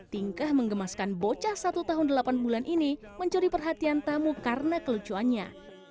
tingkah mengemaskan bocah satu tahun delapan bulan ini mencuri perhatian tamu karena kelucuannya